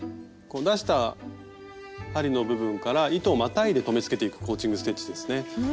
出した針の部分から糸をまたいで留めつけていくコーチング・ステッチですね。